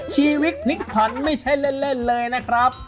ชีวิตพลิกผันไม่ใช่เล่นเลยนะครับ